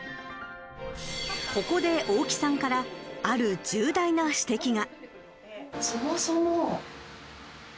ここで大木さんからある重大な指摘が。